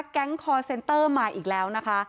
คอร์เซนเตอร์มาอีกแล้วนะคะ